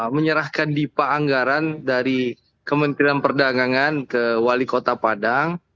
menyerahkan dipa anggaran dari kementerian perdagangan ke wali kota padang